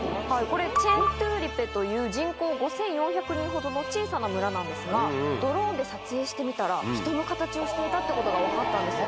これチェントゥーリペという人口５４００人ほどの小さな村なんですがドローンで撮影してみたら人の形をしていたってことが分かったんです。